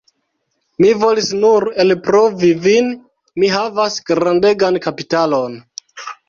Mi volis nur elprovi vin, mi havas grandegan kapitalon!